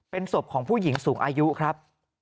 เป็นศพของผู้หญิงสูงอายุครับ